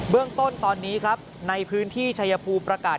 เรื่องต้นตอนนี้ครับในพื้นที่ชายภูมิประกาศ